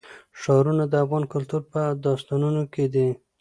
ښارونه د افغان کلتور په داستانونو کې دي.